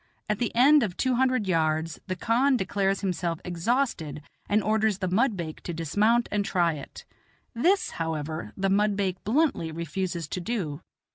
At the end of two hundred, yards the khan declares himself exhausted and orders the mudbake to dismount and try it; this, however, the mudbake bluntly refuses to do.